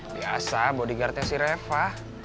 biasa bodyguard nya si reva